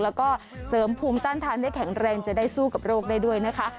แล้วก็เสริมภูมิต้านทานได้แข็งแรงจะได้สู้กับโรคได้ด้วยนะคะ